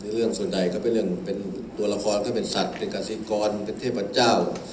เรื่องส่วนใหญ่ก็เป็นเรื่องเป็นตัวละครถ้าเป็นสัตว์เป็นกษิกรเป็นเทพเจ้า